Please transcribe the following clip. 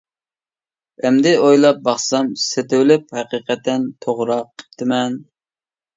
ئەمدى ئويلاپ باقسام، سېتىۋېلىپ ھەقىقەتەن توغرا قىپتىمەن!